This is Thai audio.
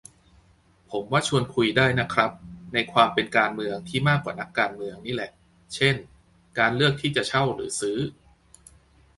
ผมว่าชวนคุยได้นะครับ ในความเป็นการเมือง ที่มากกว่านักการเมือง นี่แหละ เช่น การเลือกที่จะเช่าหรือซื้อ